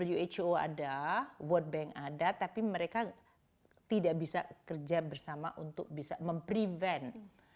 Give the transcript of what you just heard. uhco ada world bank ada tapi mereka tidak bisa kerja bersama untuk bisa memprevent